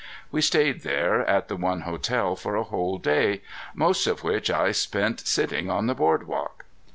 We stayed there at the one hotel for a whole day, most of which I spent sitting on the board walk.